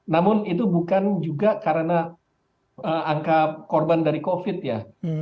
namun itu bukan juga karena angka korban dari covid ya